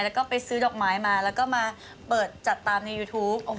แล้วก็ไปซื้อดอกไม้มาแล้วก็มาเปิดจัดตามในยูทูป